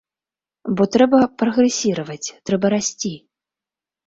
Бо трэба прагрэсіраваць, трэба расці.